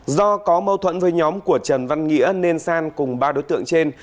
do có mâu thuẫn với nhóm của trần văn nghĩa nên san cùng ba đối tượng trên